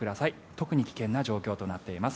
特に危険な状況となっています。